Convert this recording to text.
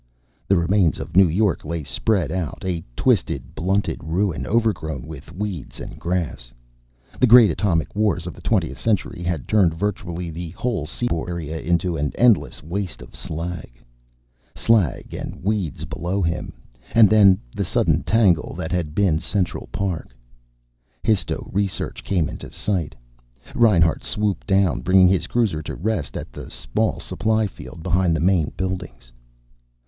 The remains of New York lay spread out, a twisted, blunted ruin overgrown with weeds and grass. The great atomic wars of the twentieth century had turned virtually the whole seaboard area into an endless waste of slag. Slag and weeds below him. And then the sudden tangle that had been Central Park. Histo research came into sight. Reinhart swooped down, bringing his cruiser to rest at the small supply field behind the main buildings.